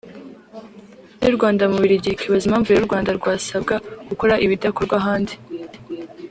Ambasade y’u Rwanda mu Bubiligi ikibaza impamvu rero u Rwanda rwasabwa gukora ibidakorwa ahandi